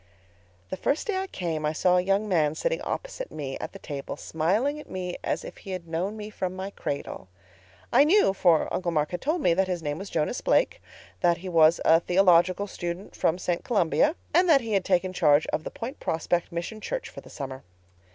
"That first day I came I saw a young man sitting opposite me at the table, smiling at me as if he had known me from my cradle. I knew, for Uncle Mark had told me, that his name was Jonas Blake, that he was a Theological Student from St. Columbia, and that he had taken charge of the Point Prospect Mission Church for the summer.